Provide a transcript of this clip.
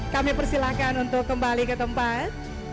kami persilahkan untuk kembali ke tempat